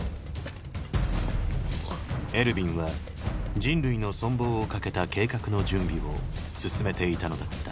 エルヴィンは人類の存亡をかけた計画の準備を進めていたのだった